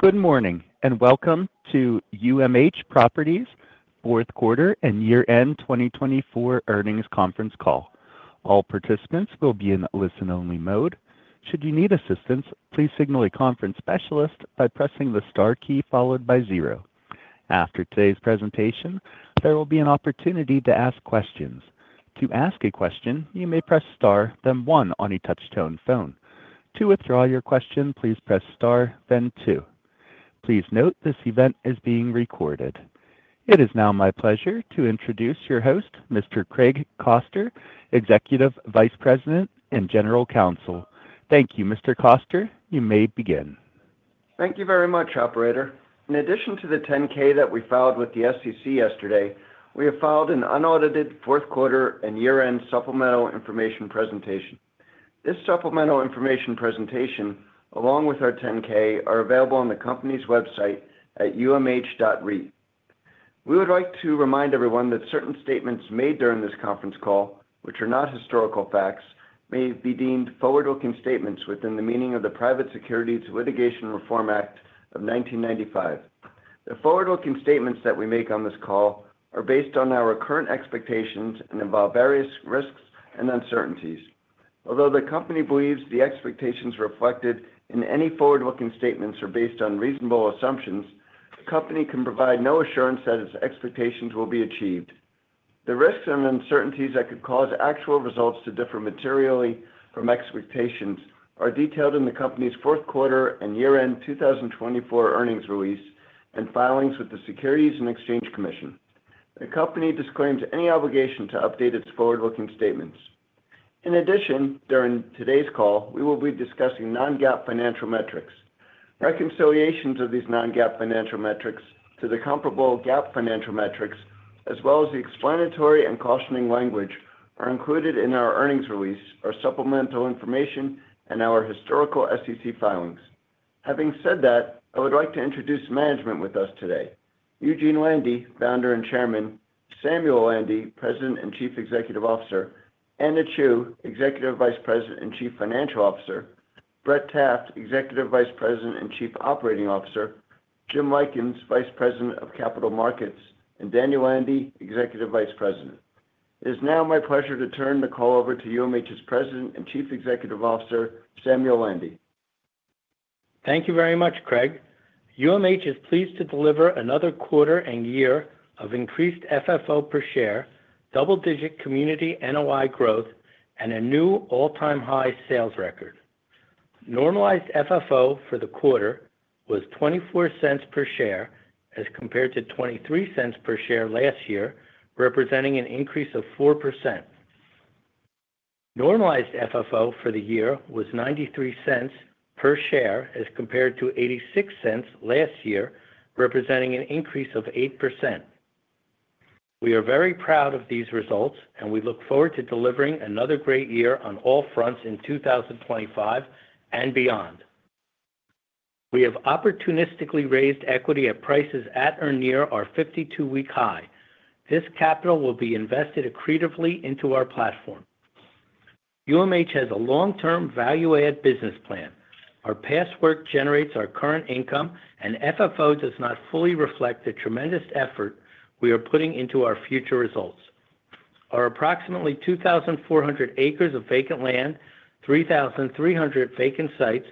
Good morning and welcome to UMH Properties' fourth quarter and year-end 2024 earnings conference call. All participants will be in listen-only mode. Should you need assistance, please signal a conference specialist by pressing the star key followed by zero. After today's presentation, there will be an opportunity to ask questions. To ask a question, you may press star, then one on a touch-tone phone. To withdraw your question, please press star, then two. Please note this event is being recorded. It is now my pleasure to introduce your host, Mr. Craig Koster, Executive Vice President and General Counsel. Thank you, Mr. Koster. You may begin. Thank you very much, Operator. In addition to the 10-K that we filed with the SEC yesterday, we have filed an unaudited fourth quarter and year-end supplemental information presentation. This supplemental information presentation, along with our 10-K, is available on the company's website at umh.re. We would like to remind everyone that certain statements made during this conference call, which are not historical facts, may be deemed forward-looking statements within the meaning of the Private Securities Litigation Reform Act of 1995. The forward-looking statements that we make on this call are based on our current expectations and involve various risks and uncertainties. Although the company believes the expectations reflected in any forward-looking statements are based on reasonable assumptions, the company can provide no assurance that its expectations will be achieved. The risks and uncertainties that could cause actual results to differ materially from expectations are detailed in the company's fourth quarter and year-end 2024 earnings release and filings with the Securities and Exchange Commission. The company disclaims any obligation to update its forward-looking statements. In addition, during today's call, we will be discussing non-GAAP financial metrics. Reconciliations of these non-GAAP financial metrics to the comparable GAAP financial metrics, as well as the explanatory and cautioning language, are included in our earnings release, our supplemental information, and our historical SEC filings. Having said that, I would like to introduce management with us today: Eugene Landy, Founder and Chairman, Samuel Landy, President and Chief Executive Officer, Anna Chew, Executive Vice President and Chief Financial Officer, Brett Taft, Executive Vice President and Chief Operating Officer, Jim Lykins, Vice President of Capital Markets, and Daniel Landy, Executive Vice President. It is now my pleasure to turn the call over to UMH's President and Chief Executive Officer, Samuel Landy. Thank you very much, Craig. UMH is pleased to deliver another quarter and year of increased FFO per share, double-digit community NOI growth, and a new all-time high sales record. Normalized FFO for the quarter was $0.24 per share as compared to $0.23 per share last year, representing an increase of 4%. Normalized FFO for the year was $0.93 per share as compared to $0.86 per share last year, representing an increase of 8%. We are very proud of these results, and we look forward to delivering another great year on all fronts in 2025 and beyond. We have opportunistically raised equity at prices at or near our 52-week high. This capital will be invested accretively into our platform. UMH has a long-term value-add business plan. Our past work generates our current income, and FFO does not fully reflect the tremendous effort we are putting into our future results. Our approximately 2,400 acres of vacant land, 3,300 vacant sites,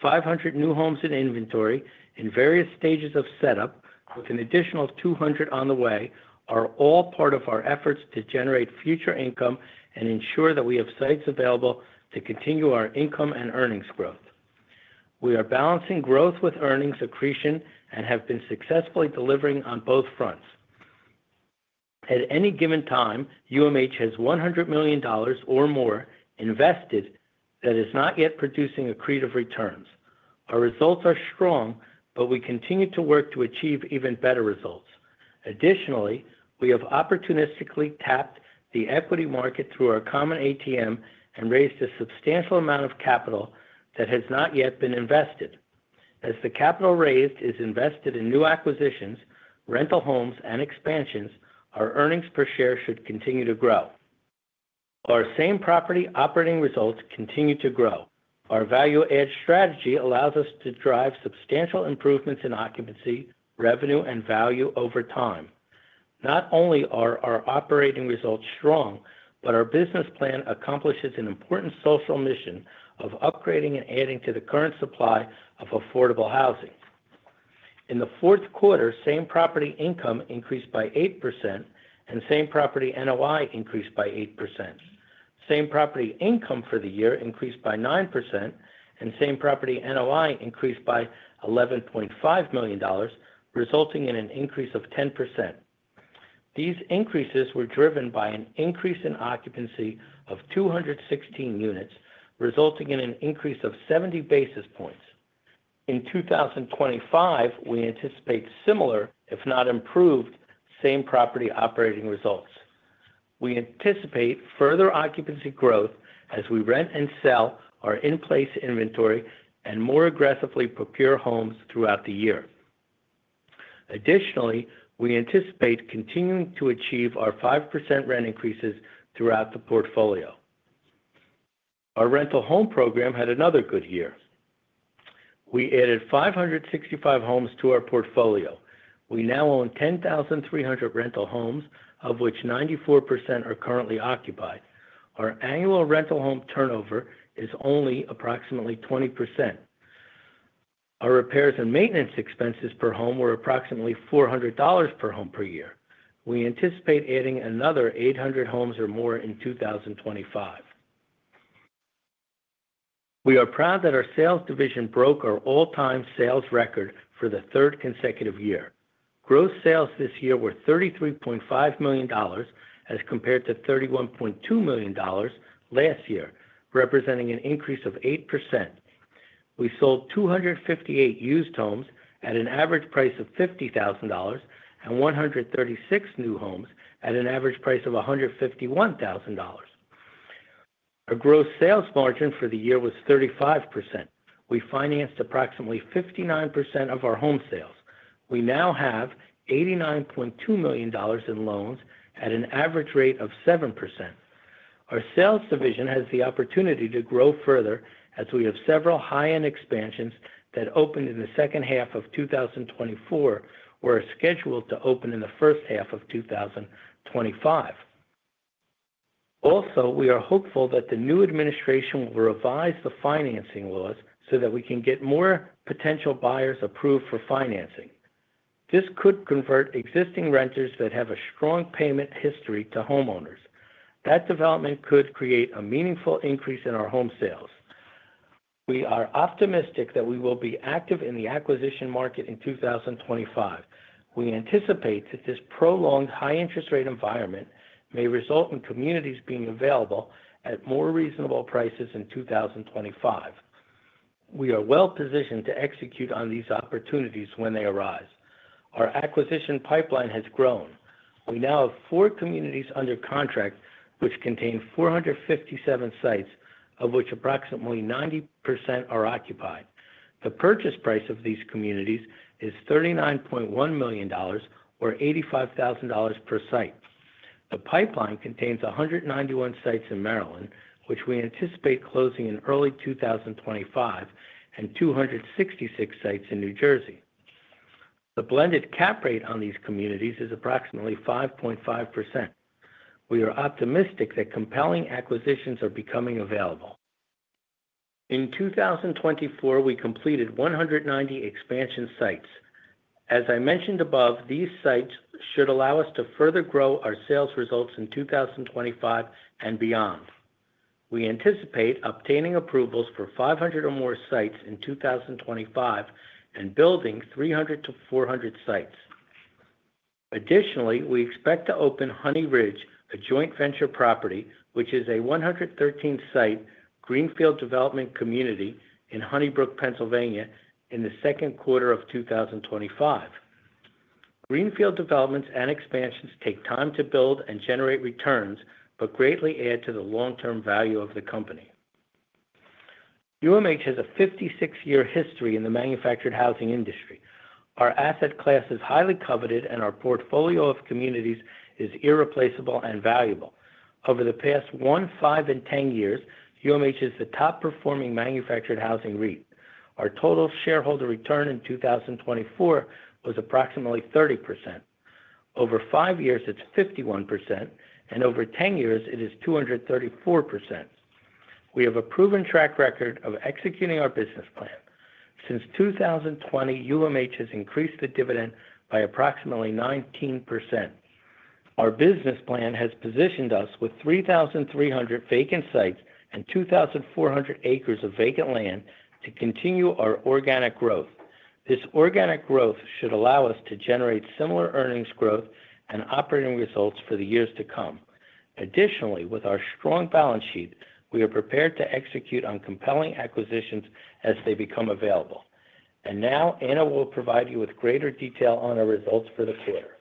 500 new homes in inventory, and various stages of setup, with an additional 200 on the way, are all part of our efforts to generate future income and ensure that we have sites available to continue our income and earnings growth. We are balancing growth with earnings accretion and have been successfully delivering on both fronts. At any given time, UMH has $100 million or more invested that is not yet producing accretive returns. Our results are strong, but we continue to work to achieve even better results. Additionally, we have opportunistically tapped the equity market through our common ATM and raised a substantial amount of capital that has not yet been invested. As the capital raised is invested in new acquisitions, rental homes, and expansions, our earnings per share should continue to grow. Our same property operating results continue to grow. Our value-add strategy allows us to drive substantial improvements in occupancy, revenue, and value over time. Not only are our operating results strong, but our business plan accomplishes an important social mission of upgrading and adding to the current supply of affordable housing. In the fourth quarter, same property income increased by 8%, and same property NOI increased by 8%. Same property income for the year increased by 9%, and same property NOI increased by $11.5 million, resulting in an increase of 10%. These increases were driven by an increase in occupancy of 216 units, resulting in an increase of 70 basis points. In 2025, we anticipate similar, if not improved, same property operating results. We anticipate further occupancy growth as we rent and sell our in-place inventory and more aggressively procure homes throughout the year. Additionally, we anticipate continuing to achieve our 5% rent increases throughout the portfolio. Our rental home program had another good year. We added 565 homes to our portfolio. We now own 10,300 rental homes, of which 94% are currently occupied. Our annual rental home turnover is only approximately 20%. Our repairs and maintenance expenses per home were approximately $400 per home per year. We anticipate adding another 800 homes or more in 2025. We are proud that our sales division broke our all-time sales record for the third consecutive year. Gross sales this year were $33.5 million as compared to $31.2 million last year, representing an increase of 8%. We sold 258 used homes at an average price of $50,000 and 136 new homes at an average price of $151,000. Our gross sales margin for the year was 35%. We financed approximately 59% of our home sales. We now have $89.2 million in loans at an average rate of 7%. Our sales division has the opportunity to grow further as we have several high-end expansions that opened in the second half of 2024, or are scheduled to open in the first half of 2025. Also, we are hopeful that the new administration will revise the financing laws so that we can get more potential buyers approved for financing. This could convert existing renters that have a strong payment history to homeowners. That development could create a meaningful increase in our home sales. We are optimistic that we will be active in the acquisition market in 2025. We anticipate that this prolonged high-interest rate environment may result in communities being available at more reasonable prices in 2025. We are well-positioned to execute on these opportunities when they arise. Our acquisition pipeline has grown. We now have four communities under contract, which contain 457 sites, of which approximately 90% are occupied. The purchase price of these communities is $39.1 million, or $85,000 per site. The pipeline contains 191 sites in Maryland, which we anticipate closing in early 2025, and 266 sites in New Jersey. The blended cap rate on these communities is approximately 5.5%. We are optimistic that compelling acquisitions are becoming available. In 2024, we completed 190 expansion sites. As I mentioned above, these sites should allow us to further grow our sales results in 2025 and beyond. We anticipate obtaining approvals for 500 or more sites in 2025 and building 300 to 400 sites. Additionally, we expect to open Honey Ridge, a joint venture property, which is a 113-site Greenfield Development community in Honey Brook, Pennsylvania, in the second quarter of 2025. Greenfield developments and expansions take time to build and generate returns, but greatly add to the long-term value of the company. UMH has a 56-year history in the manufactured housing industry. Our asset class is highly coveted, and our portfolio of communities is irreplaceable and valuable. Over the past one, five, and 10 years, UMH is the top-performing manufactured housing REIT. Our total shareholder return in 2024 was approximately 30%. Over five years, it's 51%, and over 10 years, it is 234%. We have a proven track record of executing our business plan. Since 2020, UMH has increased the dividend by approximately 19%. Our business plan has positioned us with 3,300 vacant sites and 2,400 acres of vacant land to continue our organic growth. This organic growth should allow us to generate similar earnings growth and operating results for the years to come. Additionally, with our strong balance sheet, we are prepared to execute on compelling acquisitions as they become available. And now, Anna will provide you with greater detail on our results for the quarter.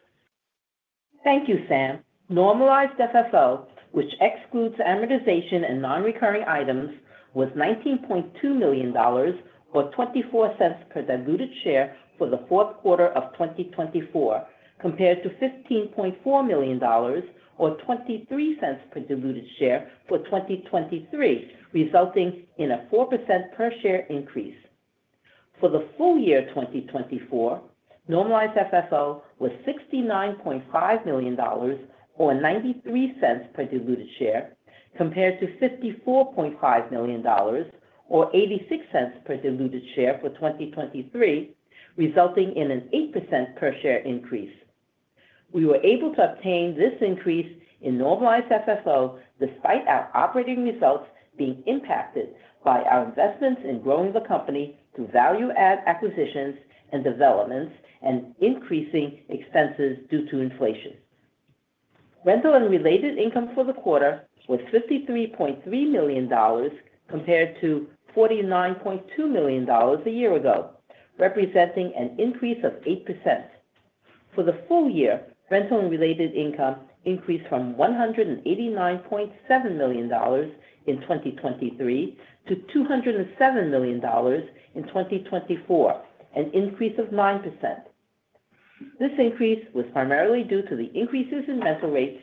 Thank you, Sam. Normalized FFO, which excludes amortization and non-recurring items, was $19.2 million, or $0.24 per diluted share for the fourth quarter of 2024, compared to $15.4 million, or $0.23 per diluted share for 2023, resulting in a 4% per share increase. For the full year 2024, normalized FFO was $69.5 million, or $0.93 per diluted share, compared to $54.5 million, or $0.86 per diluted share for 2023, resulting in an 8% per share increase. We were able to obtain this increase in normalized FFO despite our operating results being impacted by our investments in growing the company through value-add acquisitions and developments and increasing expenses due to inflation. Rental and related income for the quarter was $53.3 million, compared to $49.2 million a year ago, representing an increase of 8%. For the full year, rental and related income increased from $189.7 million in 2023 to $207 million in 2024, an increase of 9%. This increase was primarily due to the increases in rental rates,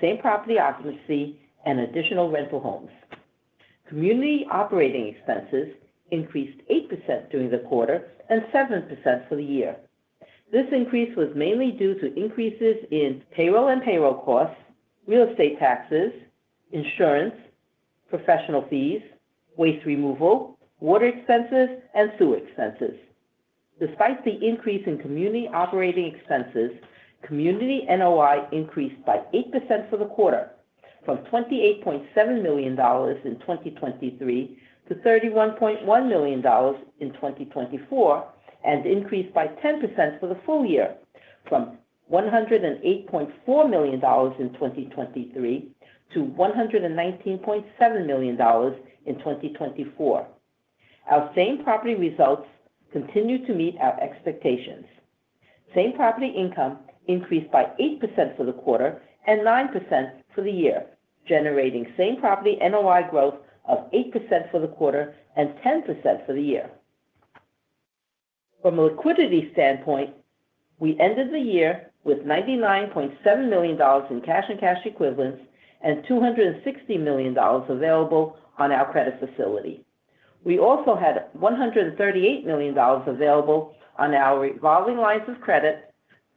same property occupancy, and additional rental homes. Community operating expenses increased 8% during the quarter and 7% for the year. This increase was mainly due to increases in payroll and payroll costs, real estate taxes, insurance, professional fees, waste removal, water expenses, and sewer expenses. Despite the increase in community operating expenses, community NOI increased by 8% for the quarter, from $28.7 million in 2023 to $31.1 million in 2024, and increased by 10% for the full year, from $108.4 million in 2023 to $119.7 million in 2024. Our same property results continue to meet our expectations. Same property income increased by 8% for the quarter and 9% for the year, generating same property NOI growth of 8% for the quarter and 10% for the year. From a liquidity standpoint, we ended the year with $99.7 million in cash and cash equivalents and $260 million available on our credit facility. We also had $138 million available on our revolving lines of credit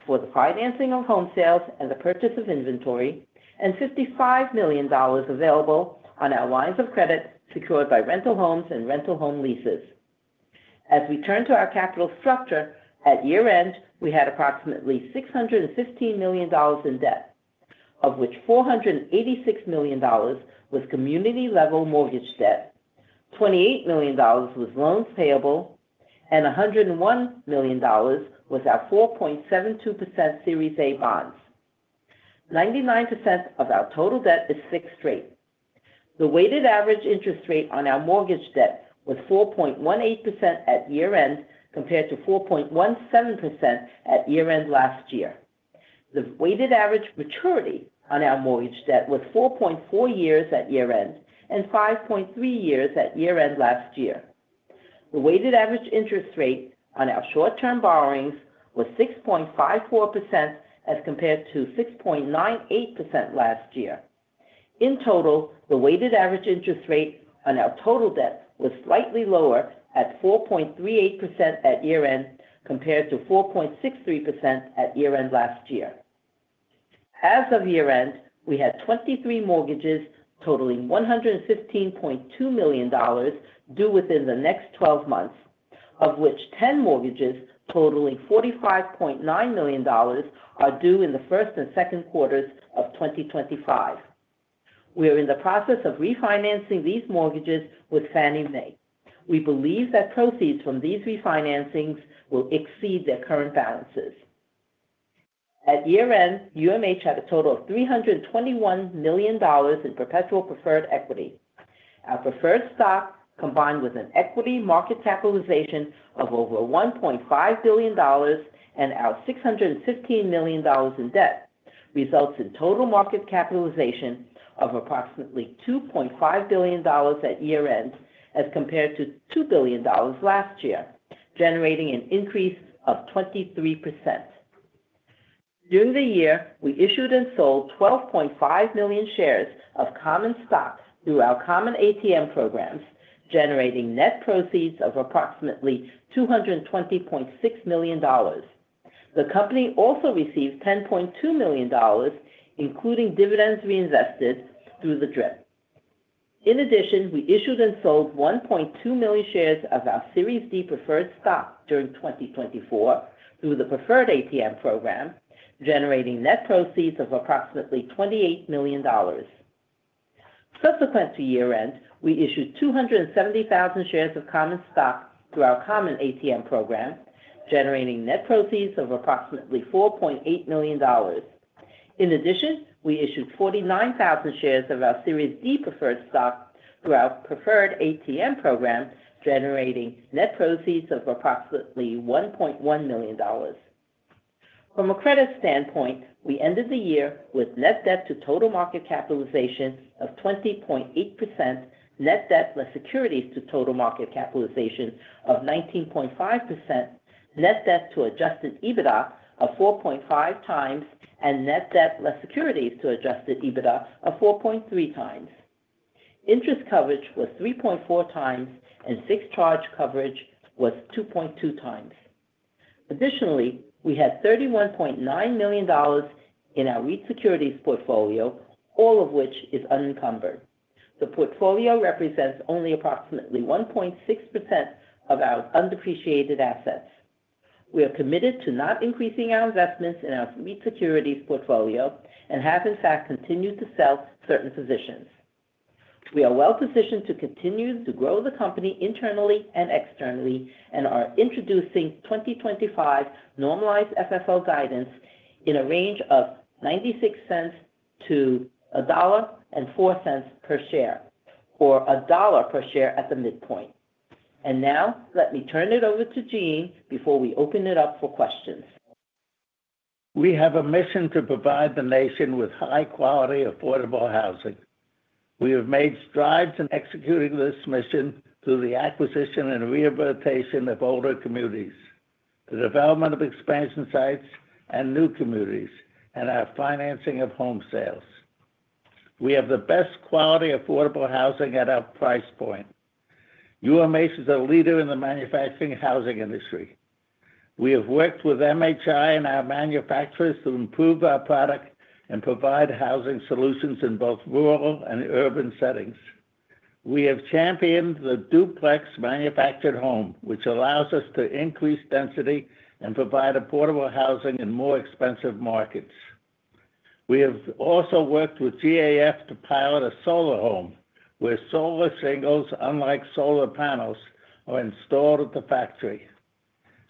for the financing of home sales and the purchase of inventory, and $55 million available on our lines of credit secured by rental homes and rental home leases. As we turn to our capital structure, at year-end, we had approximately $615 million in debt, of which $486 million was community-level mortgage debt, $28 million was loans payable, and $101 million was our 4.72% Series A Bonds. 99% of our total debt is fixed rate. The weighted average interest rate on our mortgage debt was 4.18% at year-end compared to 4.17% at year-end last year. The weighted average maturity on our mortgage debt was 4.4 years at year-end and 5.3 years at year-end last year. The weighted average interest rate on our short-term borrowings was 6.54% as compared to 6.98% last year. In total, the weighted average interest rate on our total debt was slightly lower at 4.38% at year-end compared to 4.63% at year-end last year. As of year-end, we had 23 mortgages totaling $115.2 million due within the next 12 months, of which 10 mortgages totaling $45.9 million are due in the first and second quarters of 2025. We are in the process of refinancing these mortgages with Fannie Mae. We believe that proceeds from these refinancings will exceed their current balances. At year-end, UMH had a total of $321 million in perpetual preferred equity. Our preferred stock, combined with an equity market capitalization of over $1.5 billion and our $615 million in debt, results in total market capitalization of approximately $2.5 billion at year-end as compared to $2 billion last year, generating an increase of 23%. During the year, we issued and sold 12.5 million shares of common stock through our common ATM programs, generating net proceeds of approximately $220.6 million. The company also received $10.2 million, including dividends reinvested through the DRIP. In addition, we issued and sold 1.2 million shares of our Series D preferred stock during 2024 through the preferred ATM program, generating net proceeds of approximately $28 million. Subsequent to year-end, we issued 270,000 shares of common stock through our common ATM program, generating net proceeds of approximately $4.8 million. In addition, we issued 49,000 shares of our Series D preferred stock through our preferred ATM program, generating net proceeds of approximately $1.1 million. From a credit standpoint, we ended the year with net debt to total market capitalization of 20.8%, net debt less securities to total market capitalization of 19.5%, net debt to Adjusted EBITDA of 4.5 times, and net debt less securities to Adjusted EBITDA of 4.3 times. Interest coverage was 3.4 times, and fixed charge coverage was 2.2 times. Additionally, we had $31.9 million in our REIT securities portfolio, all of which is unencumbered. The portfolio represents only approximately 1.6% of our undepreciated assets. We are committed to not increasing our investments in our REIT securities portfolio and have, in fact, continued to sell certain positions. We are well-positioned to continue to grow the company internally and externally and are introducing 2025 normalized FFO guidance in a range of $0.96-$1.04 per share, or $1 per share at the midpoint. Now, let me turn it over to Eugene before we open it up for questions. We have a mission to provide the nation with high-quality, affordable housing. We have made strides in executing this mission through the acquisition and rehabilitation of older communities, the development of expansion sites and new communities, and our financing of home sales. We have the best-quality, affordable housing at our price point. UMH is a leader in the manufactured housing industry. We have worked with MHI and our manufacturers to improve our product and provide housing solutions in both rural and urban settings. We have championed the duplex manufactured home, which allows us to increase density and provide affordable housing in more expensive markets. We have also worked with GAF to pilot a solar home, where solar shingles, unlike solar panels, are installed at the factory.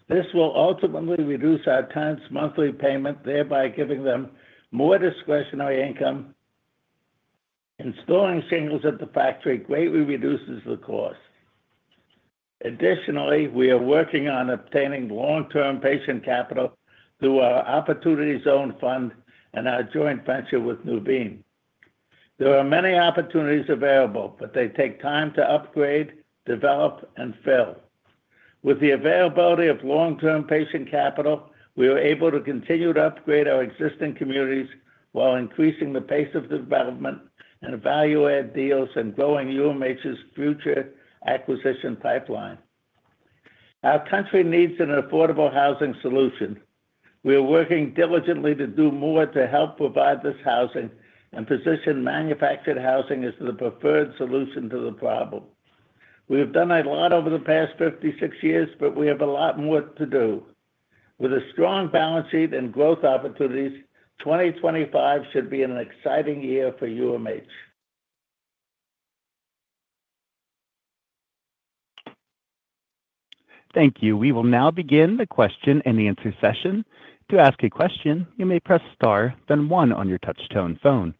This will ultimately reduce our tenants' monthly payment, thereby giving them more discretionary income. Installing shingles at the factory greatly reduces the cost. Additionally, we are working on obtaining long-term patient capital through our Opportunity Zone Fund and our joint venture with Nuveen. There are many opportunities available, but they take time to upgrade, develop, and fill. With the availability of long-term patient capital, we are able to continue to upgrade our existing communities while increasing the pace of development and value-add deals and growing UMH's future acquisition pipeline. Our country needs an affordable housing solution. We are working diligently to do more to help provide this housing and position manufactured housing as the preferred solution to the problem. We have done a lot over the past 56 years, but we have a lot more to do. With a strong balance sheet and growth opportunities, 2025 should be an exciting year for UMH. Thank you. We will now begin the question and answer session. To ask a question, you may press star, then one on your touch-tone phone.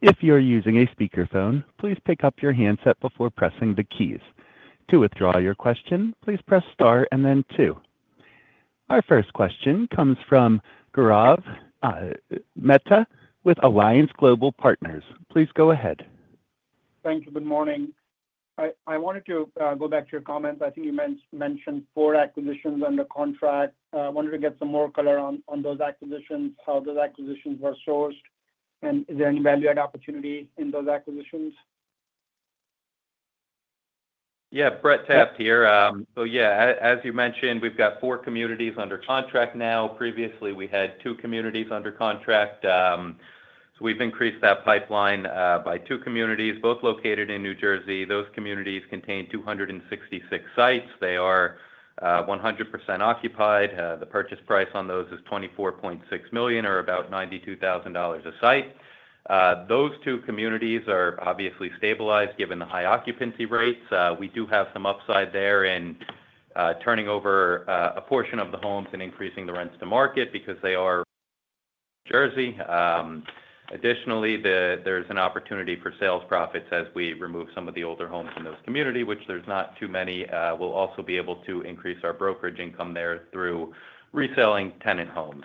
If you are using a speakerphone, please pick up your handset before pressing the keys. To withdraw your question, please press star and then two. Our first question comes from Gaurav Mehta with Alliance Global Partners. Please go ahead. Thank you. Good morning. I wanted to go back to your comments. I think you mentioned four acquisitions under contract. I wanted to get some more color on those acquisitions, how those acquisitions were sourced, and is there any value-add opportunity in those acquisitions? Yeah, Brett Taft here. So yeah, as you mentioned, we've got four communities under contract now. Previously, we had two communities under contract. So we've increased that pipeline by two communities, both located in New Jersey. Those communities contain 266 sites. They are 100% occupied. The purchase price on those is $24.6 million, or about $92,000 a site. Those two communities are obviously stabilized given the high occupancy rates. We do have some upside there in turning over a portion of the homes and increasing the rents to market because they are in New Jersey. Additionally, there's an opportunity for sales profits as we remove some of the older homes in those communities, which there's not too many. We'll also be able to increase our brokerage income there through reselling tenant homes.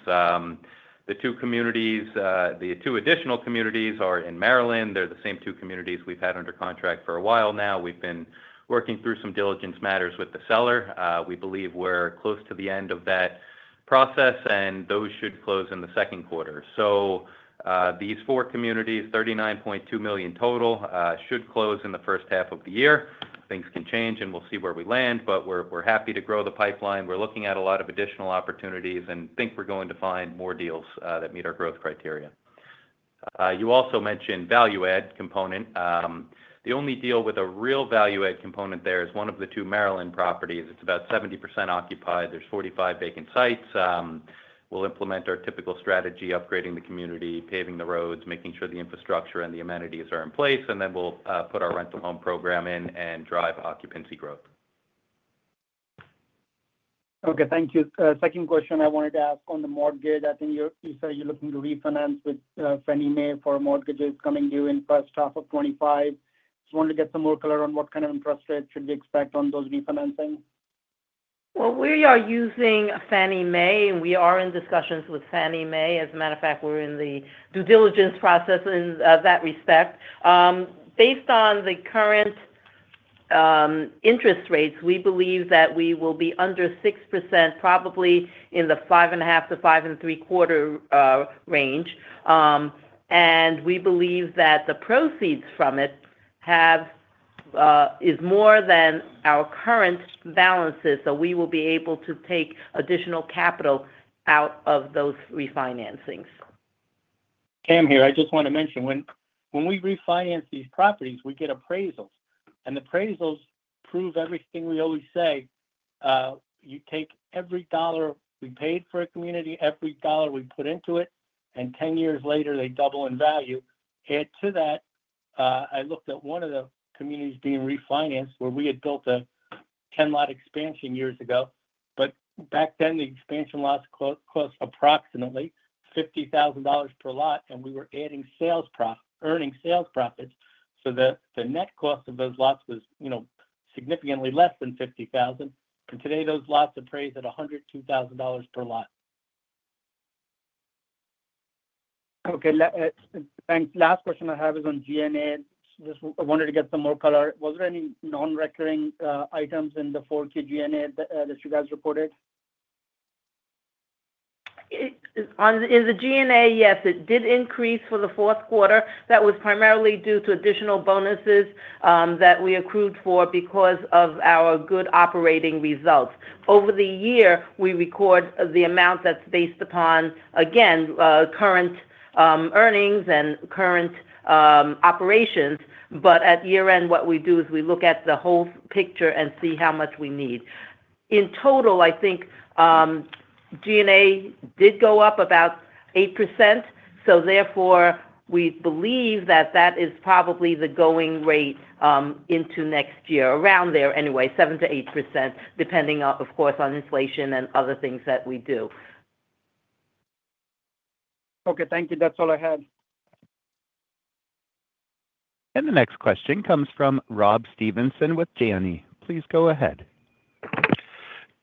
The two additional communities are in Maryland. They're the same two communities we've had under contract for a while now. We've been working through some diligence matters with the seller. We believe we're close to the end of that process, and those should close in the second quarter. So these four communities, $39.2 million total, should close in the first half of the year. Things can change, and we'll see where we land, but we're happy to grow the pipeline. We're looking at a lot of additional opportunities and think we're going to find more deals that meet our growth criteria. You also mentioned value-add component. The only deal with a real value-add component there is one of the two Maryland properties. It's about 70% occupied. There's 45 vacant sites. We'll implement our typical strategy: upgrading the community, paving the roads, making sure the infrastructure and the amenities are in place, and then we'll put our rental home program in and drive occupancy growth. Okay. Thank you. Second question I wanted to ask on the mortgage. I think you said you're looking to refinance with Fannie Mae for mortgages coming due in the first half of 2025. Just wanted to get some more color on what kind of interest rates should we expect on those refinancing? We are using Fannie Mae, and we are in discussions with Fannie Mae. As a matter of fact, we're in the due diligence process in that respect. Based on the current interest rates, we believe that we will be under 6%, probably in the 5.5%-5.75% range. We believe that the proceeds from it is more than our current balances, so we will be able to take additional capital out of those refinancings. Sam here. I just want to mention, when we refinance these properties, we get appraisals. And appraisals prove everything we always say. You take every dollar we paid for a community, every dollar we put into it, and 10 years later, they double in value. Add to that, I looked at one of the communities being refinanced where we had built a 10-lot expansion years ago, but back then, the expansion lots cost approximately $50,000 per lot, and we were earning sales profits. So the net cost of those lots was significantly less than $50,000. And today, those lots are priced at $102,000 per lot. Okay. Thanks. Last question I have is on G&A. I wanted to get some more color. Was there any non-recurring items in the 10-K G&A that you guys reported? In the G&A, yes, it did increase for the fourth quarter. That was primarily due to additional bonuses that we accrued for because of our good operating results. Over the year, we record the amount that's based upon, again, current earnings and current operations. But at year-end, what we do is we look at the whole picture and see how much we need. In total, I think G&A did go up about 8%. So therefore, we believe that that is probably the going rate into next year, around there anyway, 7%-8%, depending, of course, on inflation and other things that we do. Okay. Thank you. That's all I had. The next question comes from Rob Stevenson with JNE. Please go ahead.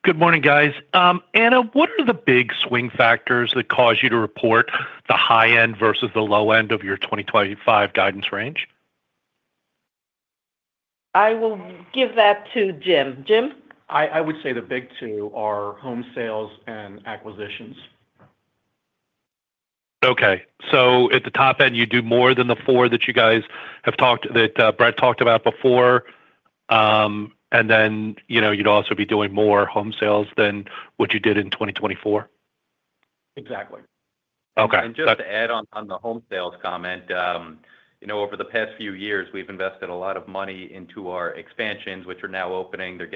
Good morning, guys. Anna, what are the big swing factors that cause you to report the high-end versus the low-end of your 2025 guidance range? I will give that to Jim. Jim? I would say the big two are home sales and acquisitions. Okay. So at the top end, you do more than the four that you guys have talked that Brett talked about before. And then you'd also be doing more home sales than what you did in 2024? Exactly. And just to add on the home sales comment, over the past few years, we've invested a lot of money into our expansions, which are now opening. They're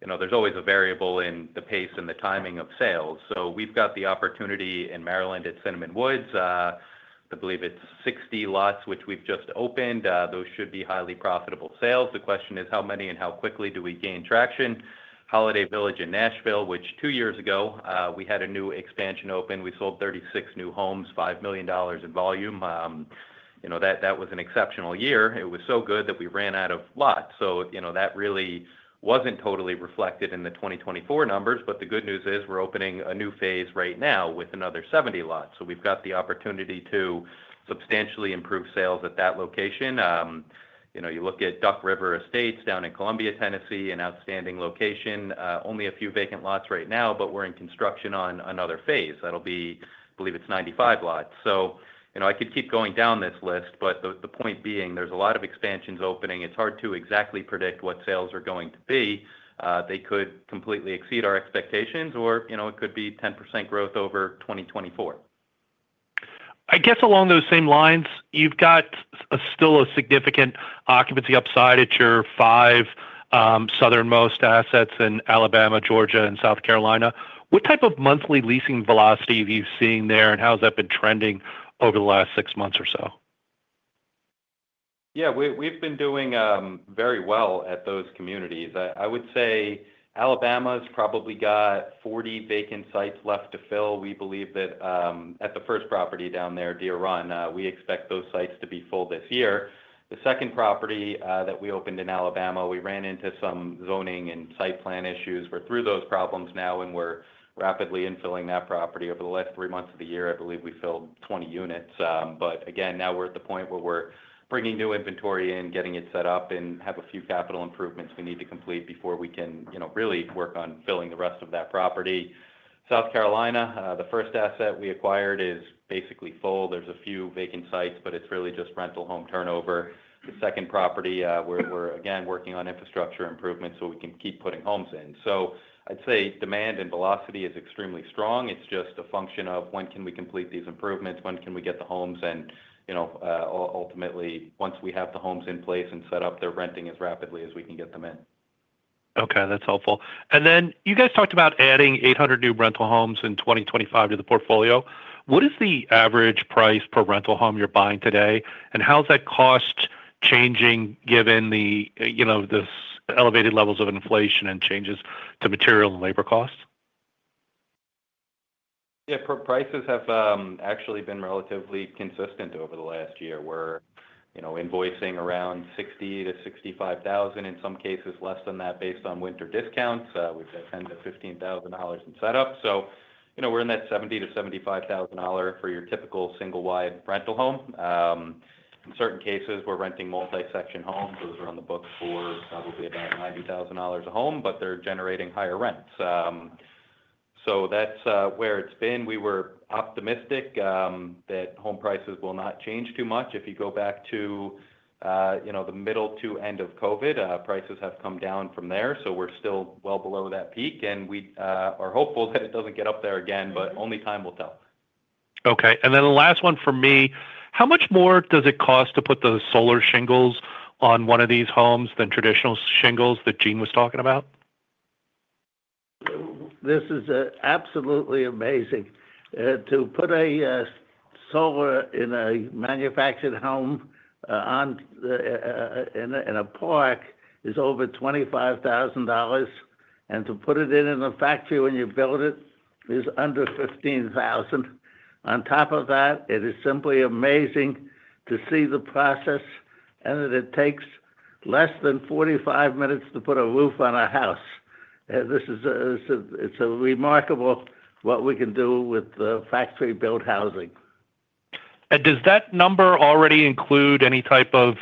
getting a lot of positive traction. And there's always a variable in the pace and the timing of sales. So we've got the opportunity in Maryland at Cinnamon Woods. I believe it's 60 lots, which we've just opened. Those should be highly profitable sales. The question is, how many and how quickly do we gain traction? Holiday Village in Nashville, which two years ago, we had a new expansion open. We sold 36 new homes, $5 million in volume. That was an exceptional year. It was so good that we ran out of lots. So that really wasn't totally reflected in the 2024 numbers. But the good news is we're opening a new phase right now with another 70 lots. So we've got the opportunity to substantially improve sales at that location. You look at Duck River Estates down in Columbia, Tennessee, an outstanding location. Only a few vacant lots right now, but we're in construction on another phase. That'll be, I believe it's 95 lots. So I could keep going down this list, but the point being, there's a lot of expansions opening. It's hard to exactly predict what sales are going to be. They could completely exceed our expectations, or it could be 10% growth over 2024. I guess along those same lines, you've got still a significant occupancy upside at your five southernmost assets in Alabama, Georgia, and South Carolina. What type of monthly leasing velocity have you seen there, and how has that been trending over the last six months or so? Yeah. We've been doing very well at those communities. I would say Alabama's probably got 40 vacant sites left to fill. We believe that at the first property down there, Deer Run, we expect those sites to be full this year. The second property that we opened in Alabama, we ran into some zoning and site plan issues. We're through those problems now, and we're rapidly infilling that property. Over the last three months of the year, I believe we filled 20 units. But again, now we're at the point where we're bringing new inventory in, getting it set up, and have a few capital improvements we need to complete before we can really work on filling the rest of that property. South Carolina, the first asset we acquired is basically full. There's a few vacant sites, but it's really just rental home turnover. The second property, we're again working on infrastructure improvements so we can keep putting homes in. So I'd say demand and velocity is extremely strong. It's just a function of when can we complete these improvements, when can we get the homes, and ultimately, once we have the homes in place and set up, they're renting as rapidly as we can get them in. Okay. That's helpful. And then you guys talked about adding 800 new rental homes in 2025 to the portfolio. What is the average price per rental home you're buying today, and how's that cost changing given the elevated levels of inflation and changes to material and labor costs? Yeah. Prices have actually been relatively consistent over the last year. We're invoicing around $60,000-$65,000, in some cases less than that based on winter discounts. We've got $10,000-$15,000 in setup. So we're in that $70,000-$75,000 for your typical single-wide rental home. In certain cases, we're renting multi-section homes. Those are on the book for probably about $90,000 a home, but they're generating higher rents. So that's where it's been. We were optimistic that home prices will not change too much. If you go back to the middle to end of COVID, prices have come down from there. So we're still well below that peak, and we are hopeful that it doesn't get up there again, but only time will tell. Okay. And then the last one for me. How much more does it cost to put those solar shingles on one of these homes than traditional shingles that Jean was talking about? This is absolutely amazing. To put a solar in a manufactured home in a park is over $25,000, and to put it in a factory when you build it is under $15,000. On top of that, it is simply amazing to see the process and that it takes less than 45 minutes to put a roof on a house. This is remarkable what we can do with factory-built housing. Does that number already include any type of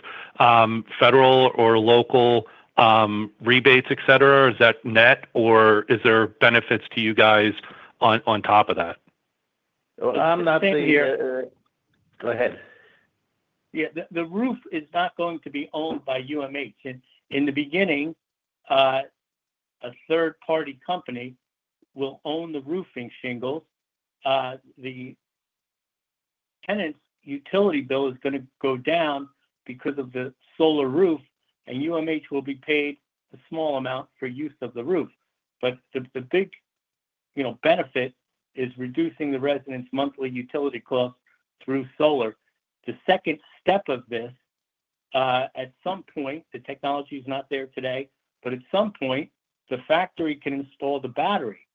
federal or local rebates, etc., or is that net, or are there benefits to you guys on top of that? I'm not thinking here. Go ahead. Yeah. The roof is not going to be owned by UMH. In the beginning, a third-party company will own the roofing shingles. The tenant's utility bill is going to go down because of the solar roof, and UMH will be paid a small amount for use of the roof. But the big benefit is reducing the residents' monthly utility costs through solar. The second step of this, at some point, the technology is not there today, but at some point, the factory can install the battery,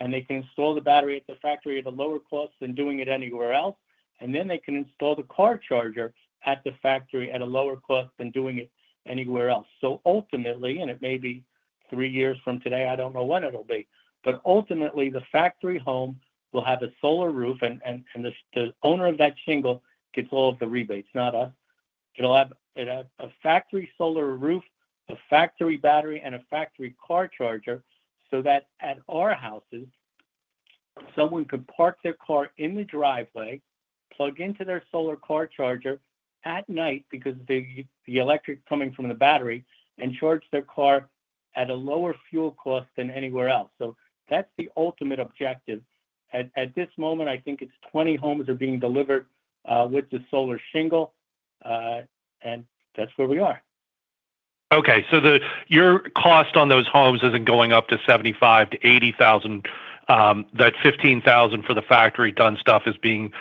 and they can install the battery at the factory at a lower cost than doing it anywhere else. And then they can install the car charger at the factory at a lower cost than doing it anywhere else. So ultimately, and it may be three years from today, I don't know when it'll be, but ultimately, the factory home will have a solar roof, and the owner of that shingle gets all of the rebates, not us. It'll have a factory solar roof, a factory battery, and a factory car charger so that at our houses, someone could park their car in the driveway, plug into their solar car charger at night because the electric is coming from the battery, and charge their car at a lower fuel cost than anywhere else. So that's the ultimate objective. At this moment, I think it's 20 homes that are being delivered with the solar shingle, and that's where we are. Okay. So your cost on those homes isn't going up to $75,000-$80,000. That $15,000 for the factory-done stuff is being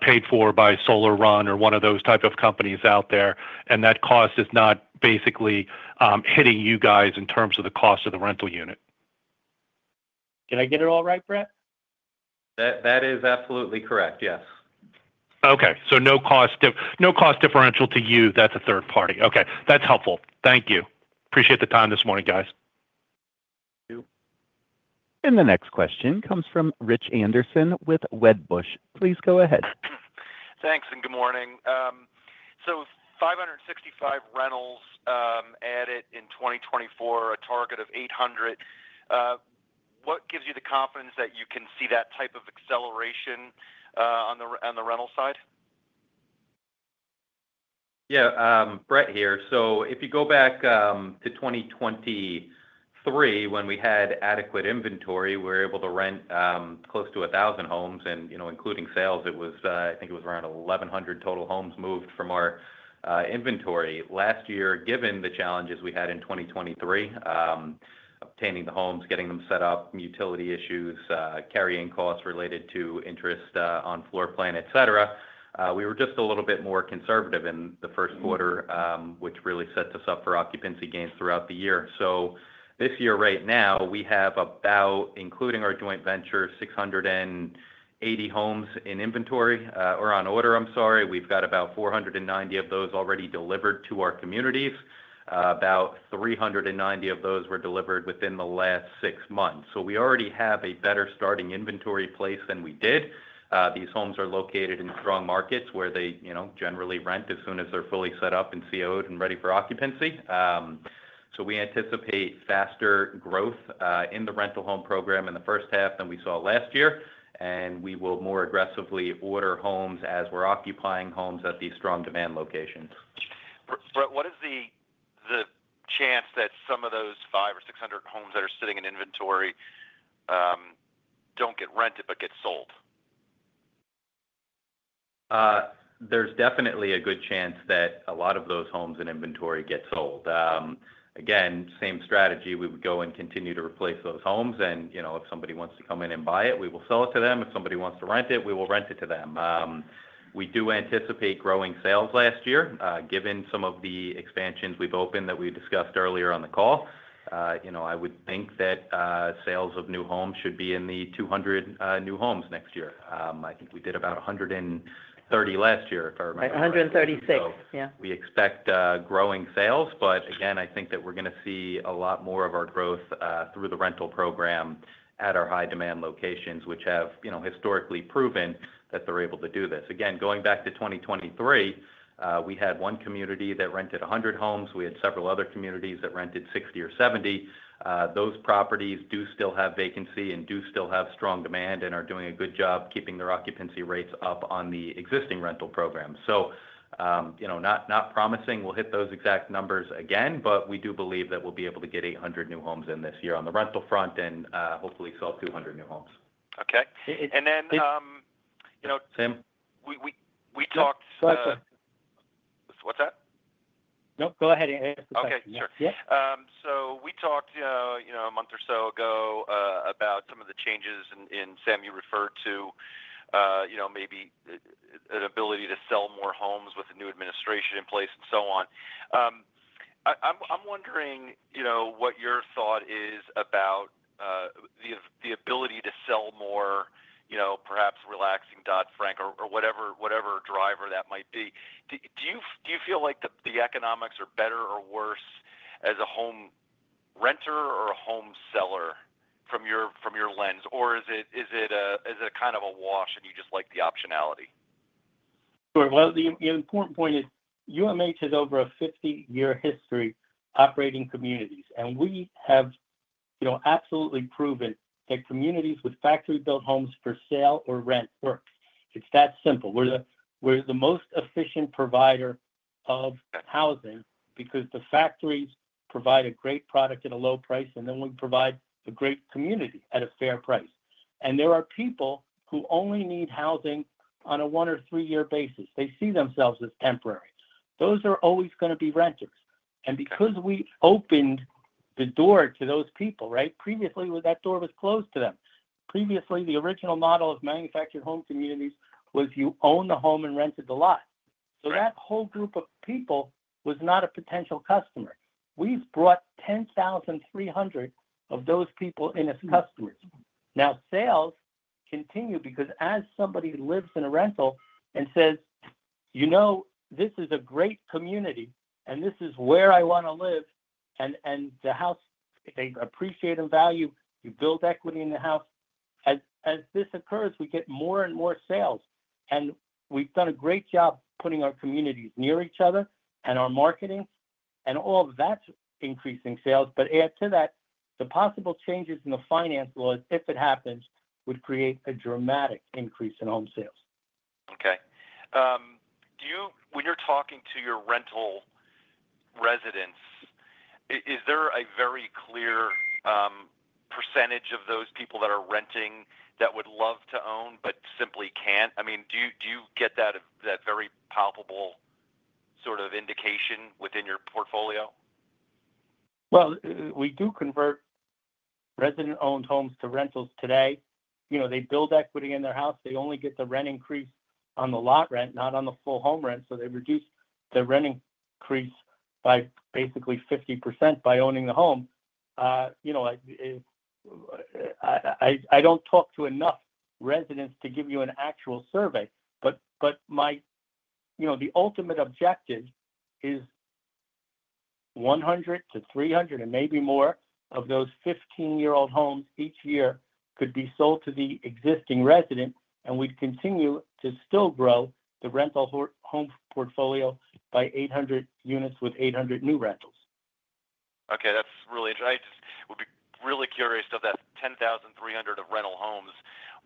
paid for by Sunrun or one of those types of companies out there. And that cost is not basically hitting you guys in terms of the cost of the rental unit. Can I get it all right, Brett? That is absolutely correct. Yes. Okay. So no cost differential to you. That's a third party. Okay. That's helpful. Thank you. Appreciate the time this morning, guys. Thank you. And the next question comes from Rich Anderson with Wedbush. Please go ahead. Thanks. And good morning. So, 565 rentals added in 2024, a target of 800. What gives you the confidence that you can see that type of acceleration on the rental side? Yeah. Brett here. So if you go back to 2023, when we had adequate inventory, we were able to rent close to 1,000 homes. And including sales, I think it was around 1,100 total homes moved from our inventory last year, given the challenges we had in 2023, obtaining the homes, getting them set up, utility issues, carrying costs related to interest on floor plan, etc. We were just a little bit more conservative in the first quarter, which really set us up for occupancy gains throughout the year. So this year, right now, we have about, including our joint venture, 680 homes in inventory or on order, I'm sorry. We've got about 490 of those already delivered to our communities. About 390 of those were delivered within the last six months. So we already have a better starting inventory place than we did. These homes are located in strong markets where they generally rent as soon as they're fully set up and CO'd and ready for occupancy. So we anticipate faster growth in the rental home program in the first half than we saw last year. And we will more aggressively order homes as we're occupying homes at these strong demand locations. Brett, what is the chance that some of those five or six hundred homes that are sitting in inventory don't get rented but get sold? There's definitely a good chance that a lot of those homes in inventory get sold. Again, same strategy. We would go and continue to replace those homes. And if somebody wants to come in and buy it, we will sell it to them. If somebody wants to rent it, we will rent it to them. We do anticipate growing sales last year, given some of the expansions we've opened that we discussed earlier on the call. I would think that sales of new homes should be in the 200 new homes next year. I think we did about 130 last year, if I remember correctly. 136. So we expect growing sales. But again, I think that we're going to see a lot more of our growth through the rental program at our high-demand locations, which have historically proven that they're able to do this. Again, going back to 2023, we had one community that rented 100 homes. We had several other communities that rented 60 or 70. Those properties do still have vacancy and do still have strong demand and are doing a good job keeping their occupancy rates up on the existing rental program. So not promising we'll hit those exact numbers again, but we do believe that we'll be able to get 800 new homes in this year on the rental front and hopefully sell 200 new homes. Okay. And then. Sam? We talked. What's that? Nope. Go ahead and answer the question. Okay. Sure, so we talked a month or so ago about some of the changes, and Sam, you referred to maybe an ability to sell more homes with a new administration in place and so on. I'm wondering what your thought is about the ability to sell more, perhaps relaxing Dodd-Frank or whatever driver that might be. Do you feel like the economics are better or worse as a home renter or a home seller from your lens, or is it kind of a wash and you just like the optionality? The important point is UMH has over a 50-year history operating communities. We have absolutely proven that communities with factory-built homes for sale or rent work. It's that simple. We're the most efficient provider of housing because the factories provide a great product at a low price, and then we provide a great community at a fair price. There are people who only need housing on a one or three-year basis. They see themselves as temporary. Those are always going to be renters. Because we opened the door to those people, right, previously, that door was closed to them. Previously, the original model of manufactured home communities was you own the home and rented the lot. So that whole group of people was not a potential customer. We've brought 10,300 of those people in as customers. Now, sales continue because as somebody lives in a rental and says, "This is a great community, and this is where I want to live," and the house they appreciate and value, you build equity in the house. As this occurs, we get more and more sales, and we've done a great job putting our communities near each other and our marketing, and all of that's increasing sales. But add to that, the possible changes in the finance laws, if it happens, would create a dramatic increase in home sales. Okay. When you're talking to your rental residents, is there a very clear percentage of those people that are renting that would love to own but simply can't? I mean, do you get that very palpable sort of indication within your portfolio? We do convert resident-owned homes to rentals today. They build equity in their house. They only get the rent increase on the lot rent, not on the full home rent. So they reduce the rent increase by basically 50% by owning the home. I don't talk to enough residents to give you an actual survey, but the ultimate objective is 100-300 and maybe more of those 15-year-old homes each year could be sold to the existing resident, and we'd continue to still grow the rental home portfolio by 800 units with 800 new rentals. Okay. That's really interesting. I would be really curious of that 10,300 of rental homes.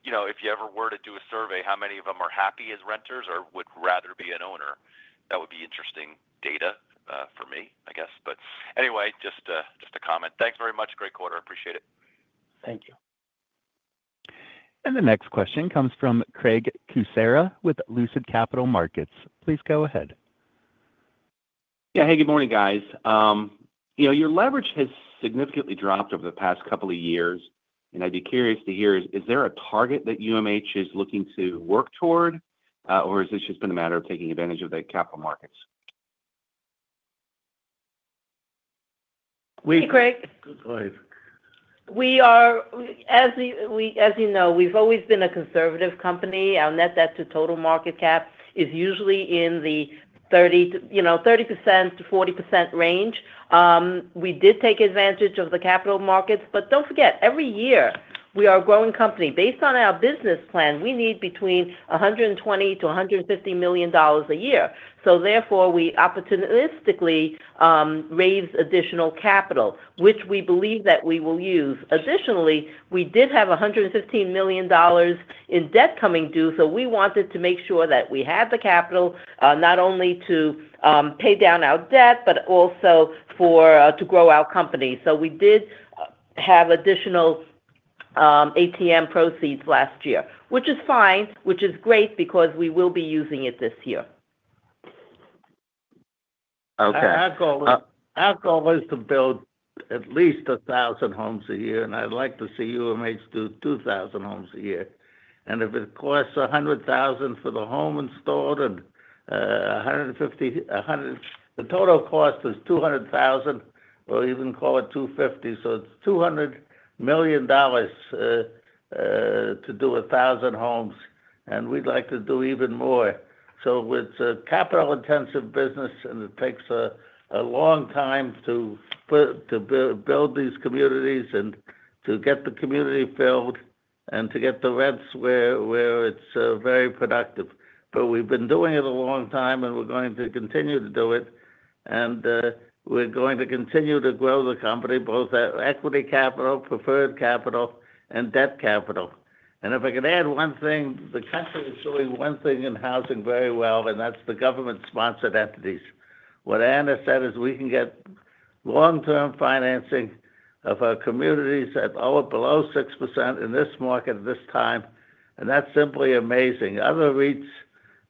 If you ever were to do a survey, how many of them are happy as renters or would rather be an owner? That would be interesting data for me, I guess. But anyway, just a comment. Thanks very much, Koster. I appreciate it. Thank you. The next question comes from Craig Kucera with Lucid Capital Markets. Please go ahead. Yeah. Hey, good morning, guys. Your leverage has significantly dropped over the past couple of years, and I'd be curious to hear, is there a target that UMH is looking to work toward, or has this just been a matter of taking advantage of the capital markets? Hey, Craig. Good morning. As you know, we've always been a conservative company. Our net debt to total market cap is usually in the 30%-40% range. We did take advantage of the capital markets, but don't forget, every year we are a growing company. Based on our business plan, we need between $120-$150 million a year. Therefore, we opportunistically raise additional capital, which we believe that we will use. Additionally, we did have $115 million in debt coming due, so we wanted to make sure that we had the capital not only to pay down our debt, but also to grow our company. We did have additional ATM proceeds last year, which is fine, which is great because we will be using it this year. Okay. Our goal is to build at least 1,000 homes a year, and I'd like to see UMH do 2,000 homes a year. If it costs $100,000 for the home installed and $150,000, the total cost is $200,000, or you can call it $250,000. It's $200 million to do 1,000 homes, and we'd like to do even more. It's a capital-intensive business, and it takes a long time to build these communities and to get the community filled and to get the rents where it's very productive. But we've been doing it a long time, and we're going to continue to do it. We're going to continue to grow the company, both equity capital, preferred capital, and debt capital. If I could add one thing, the country is doing one thing in housing very well, and that's the government-sponsored entities. What Anna said is we can get long-term financing of our communities at below 6% in this market at this time, and that's simply amazing. Other REITs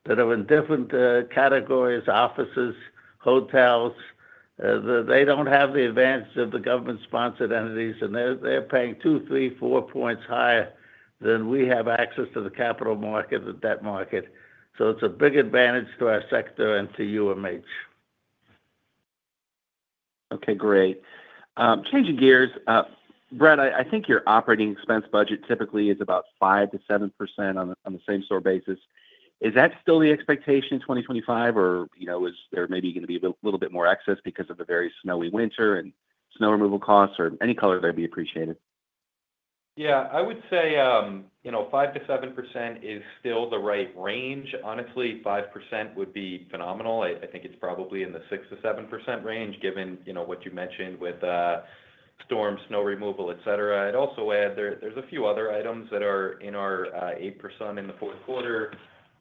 that are in different categories, offices, hotels, they don't have the advantage of the government-sponsored entities, and they're paying two, three, four points higher than we have access to the capital market and debt market. So it's a big advantage to our sector and to UMH. Okay. Great. Changing gears, Brett, I think your operating expense budget typically is about 5%-7% on the same store basis. Is that still the expectation in 2025, or is there maybe going to be a little bit more excess because of the very snowy winter and snow removal costs? Or any color would be appreciated. Yeah. I would say 5%-7% is still the right range. Honestly, 5% would be phenomenal. I think it's probably in the 6%-7% range given what you mentioned with storm, snow removal, etc. I'd also add there's a few other items that are in our 8% in the fourth quarter,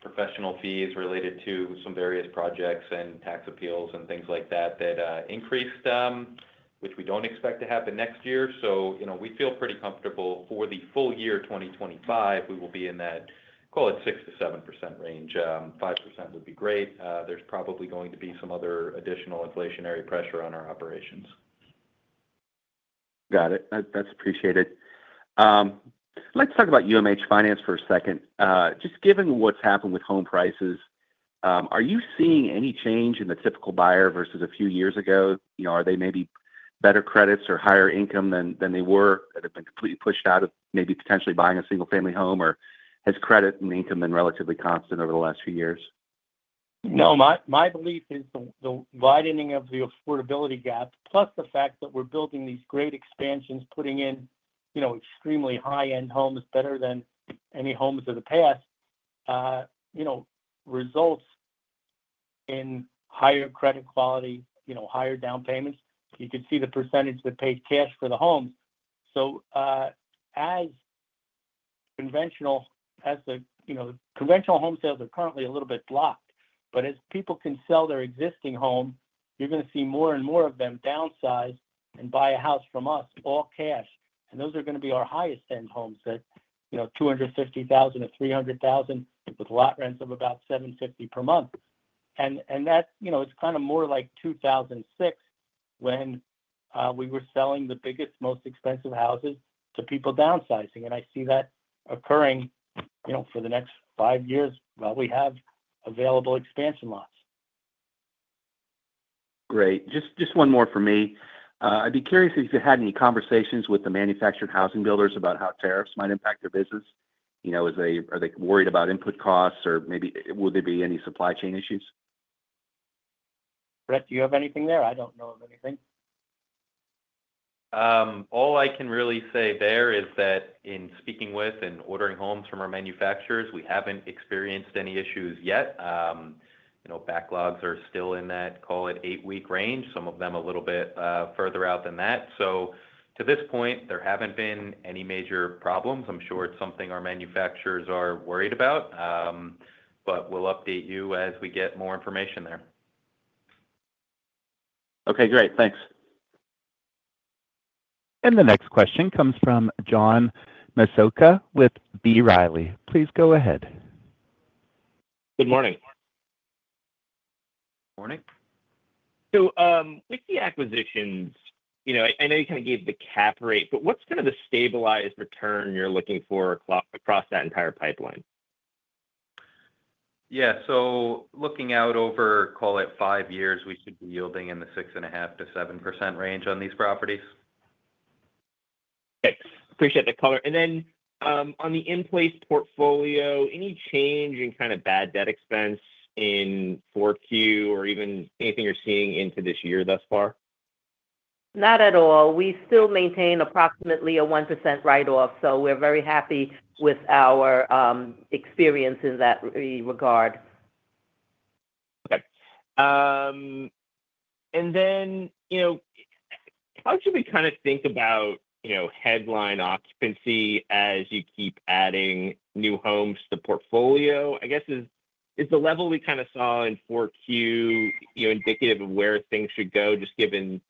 professional fees related to some various projects and tax appeals and things like that that increased, which we don't expect to happen next year. So we feel pretty comfortable for the full year 2025. We will be in that, call it 6%-7% range. 5% would be great. There's probably going to be some other additional inflationary pressure on our operations. Got it. That's appreciated. Let's talk about UMH Finance for a second. Just given what's happened with home prices, are you seeing any change in the typical buyer versus a few years ago? Are they maybe better credits or higher income than they were? Have they been completely pushed out of maybe potentially buying a single-family home, or has credit and income been relatively constant over the last few years? No. My belief is the widening of the affordability gap, plus the fact that we're building these great expansions, putting in extremely high-end homes better than any homes of the past, results in higher credit quality, higher down payments. You can see the percentage that pays cash for the homes. So as conventional home sales are currently a little bit blocked, but as people can sell their existing home, you're going to see more and more of them downsize and buy a house from us, all cash. And those are going to be our highest-end homes at $250,000-$300,000 with lot rents of about $750 per month. And it's kind of more like 2006 when we were selling the biggest, most expensive houses to people downsizing. And I see that occurring for the next five years while we have available expansion lots. Great. Just one more for me. I'd be curious if you've had any conversations with the manufactured housing builders about how tariffs might impact their business. Are they worried about input costs, or maybe will there be any supply chain issues? Brett, do you have anything there? I don't know of anything. All I can really say there is that in speaking with and ordering homes from our manufacturers, we haven't experienced any issues yet. Backlogs are still in that, call it, eight-week range, some of them a little bit further out than that, so to this point, there haven't been any major problems. I'm sure it's something our manufacturers are worried about, but we'll update you as we get more information there. Okay. Great. Thanks. The next question comes from John Massocca with B. Riley. Please go ahead. Good morning. Morning. So with the acquisitions, I know you kind of gave the cap rate, but what's kind of the stabilized return you're looking for across that entire pipeline? Yeah. So looking out over, call it, five years, we should be yielding in the 6.5%-7% range on these properties. Okay. Appreciate the color and then on the in-place portfolio, any change in kind of bad debt expense in Koster or even anything you're seeing into this year thus far? Not at all. We still maintain approximately a 1% write-off, so we're very happy with our experience in that regard. Okay. And then how should we kind of think about headline occupancy as you keep adding new homes to the portfolio? I guess, is the level we kind of saw in the quarter indicative of where things should go just given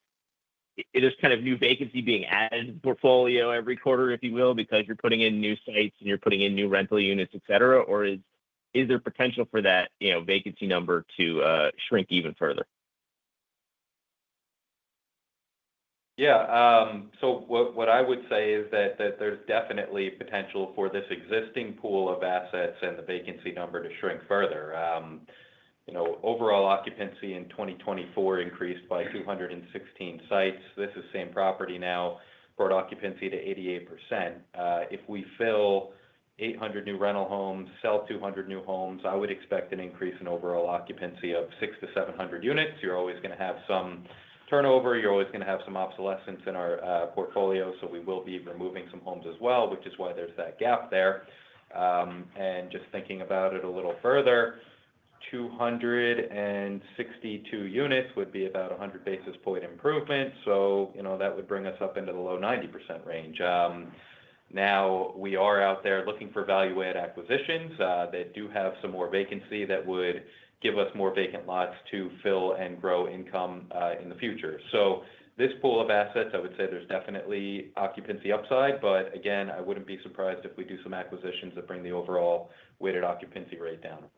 just kind of new vacancy being added to the portfolio every quarter, if you will, because you're putting in new sites and you're putting in new rental units, etc.? Or is there potential for that vacancy number to shrink even further? Yeah. So what I would say is that there's definitely potential for this existing pool of assets and the vacancy number to shrink further. Overall occupancy in 2024 increased by 216 sites. This is the same property now, brought occupancy to 88%. If we fill 800 new rental homes, sell 200 new homes, I would expect an increase in overall occupancy of 6 to 700 units. You're always going to have some turnover. You're always going to have some obsolescence in our portfolio, so we will be removing some homes as well, which is why there's that gap there. And just thinking about it a little further, 262 units would be about a 100 basis point improvement. So that would bring us up into the low 90% range. Now, we are out there looking for value-add acquisitions. They do have some more vacancy that would give us more vacant lots to fill and grow income in the future. So this pool of assets, I would say there's definitely occupancy upside. But again, I wouldn't be surprised if we do some acquisitions that bring the overall weighted occupancy rate down.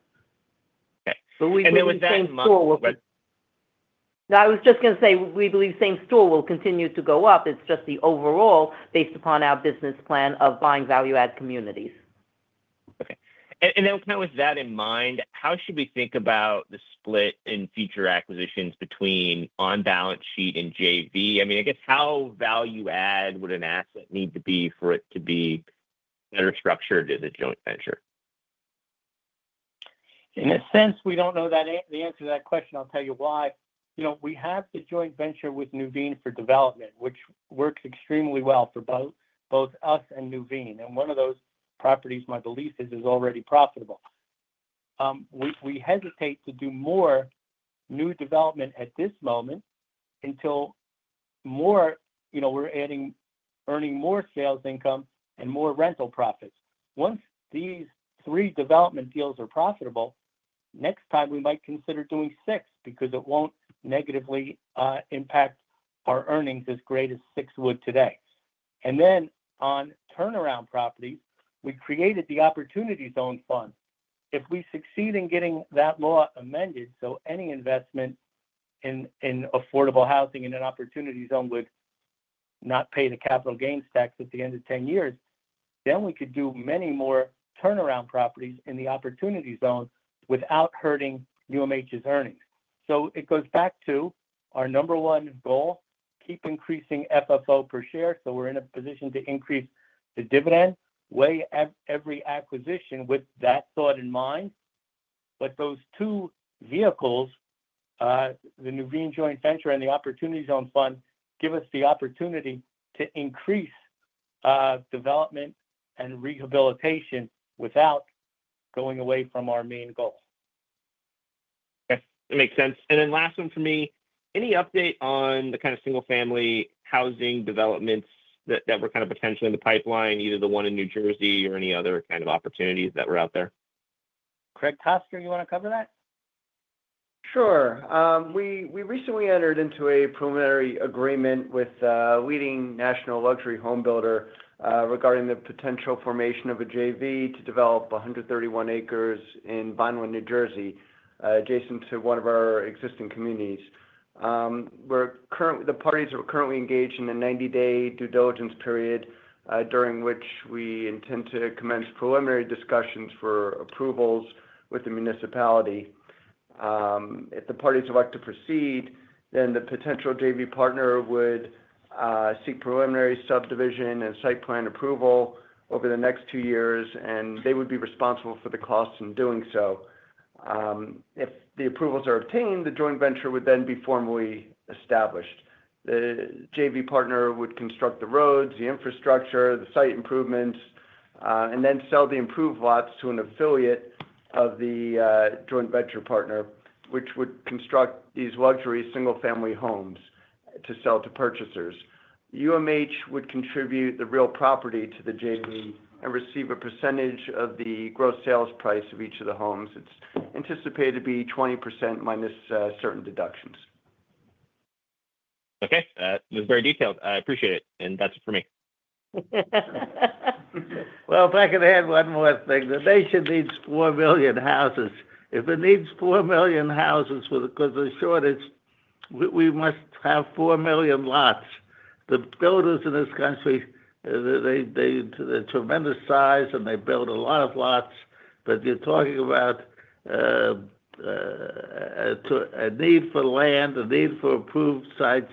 Okay, and then with that same store. No, I was just going to say we believe same store will continue to go up. It's just the overall based upon our business plan of buying value-add communities. Okay. And then kind of with that in mind, how should we think about the split in future acquisitions between on-balance-sheet and JV? I mean, I guess how value-add would an asset need to be for it to be better structured as a joint venture? In a sense, we don't know the answer to that question. I'll tell you why. We have the joint venture with Nuveen for development, which works extremely well for both us and Nuveen. And one of those properties, my belief is, is already profitable. We hesitate to do more new development at this moment until we're earning more sales income and more rental profits. Once these three development deals are profitable, next time we might consider doing six because it won't negatively impact our earnings as great as six would today. And then on turnaround properties, we created the Opportunity Zone Fund. If we succeed in getting that law amended, so any investment in affordable housing in an Opportunity Zone would not pay the capital gains tax at the end of 10 years, then we could do many more turnaround properties in the Opportunity Zone without hurting UMH's earnings. It goes back to our number one goal, keep increasing FFO per share so we're in a position to increase the dividend with every acquisition with that thought in mind. But those two vehicles, the Nuveen joint venture and the Opportunity Zone Fund, give us the opportunity to increase development and rehabilitation without going away from our main goal. Okay. That makes sense, and then last one for me, any update on the kind of single-family housing developments that were kind of potentially in the pipeline, either the one in New Jersey or any other kind of opportunities that were out there? Craig Koster, you want to cover that? Sure. We recently entered into a preliminary agreement with a leading national luxury home builder regarding the potential formation of a JV to develop 131 acres in Barnegat, New Jersey, adjacent to one of our existing communities. The parties are currently engaged in a 90-day due diligence period during which we intend to commence preliminary discussions for approvals with the municipality. If the parties elect to proceed, then the potential JV partner would seek preliminary subdivision and site plan approval over the next two years, and they would be responsible for the cost in doing so. If the approvals are obtained, the joint venture would then be formally established. The JV partner would construct the roads, the infrastructure, the site improvements, and then sell the improved lots to an affiliate of the joint venture partner, which would construct these luxury single-family homes to sell to purchasers. UMH would contribute the real property to the JV and receive a percentage of the gross sales price of each of the homes. It's anticipated to be 20% minus certain deductions. Okay. That was very detailed. I appreciate it. And that's it for me. If I could add one more thing, the nation needs four million houses. If it needs four million houses because of the shortage, we must have four million lots. The builders in this country, they're tremendous size, and they build a lot of lots. But you're talking about a need for land, a need for approved sites.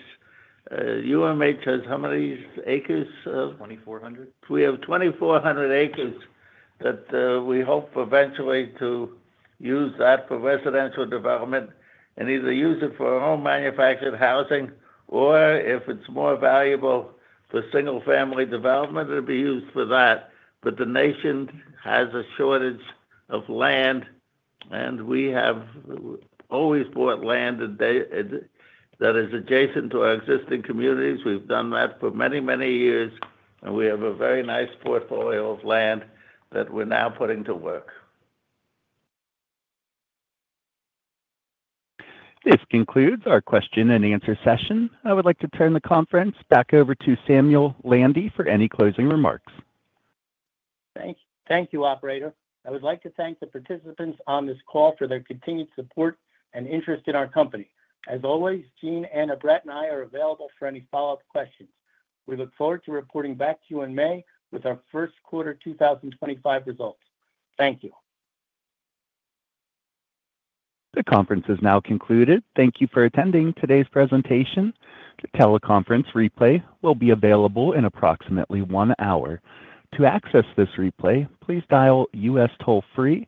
UMH has how many acres? 2,400. We have 2,400 acres that we hope eventually to use that for residential development and either use it for our own manufactured housing or, if it's more valuable for single-family development, it'll be used for that. The nation has a shortage of land, and we have always bought land that is adjacent to our existing communities. We've done that for many, many years, and we have a very nice portfolio of land that we're now putting to work. This concludes our question and answer session. I would like to turn the conference back over to Samuel Landy for any closing remarks. Thank you, Operator. I would like to thank the participants on this call for their continued support and interest in our company. As always, Jean, Anna, Brett, and I are available for any follow-up questions. We look forward to reporting back to you in May with our first quarter 2025 results. Thank you. The conference is now concluded. Thank you for attending today's presentation. The teleconference replay will be available in approximately one hour. To access this replay, please dial U.S. Toll Free.